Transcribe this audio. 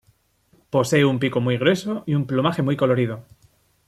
Posee un pico grueso y plumaje muy colorido.